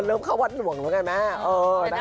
มันเริ่มเข้าวัดหน่วงแล้วกันแม่เออนะคะ